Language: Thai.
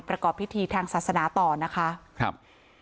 ประกอบพิธีทางศาสนาต่อนะคะครับ